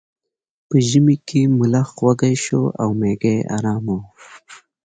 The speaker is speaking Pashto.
په ژمي کې ملخ وږی شو او میږی ارامه وه.